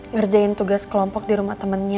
ngerjain tugas kelompok di rumah temannya